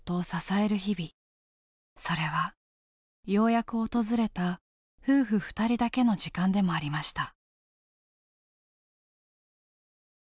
それはようやく訪れた夫婦２人だけの時間でもありました。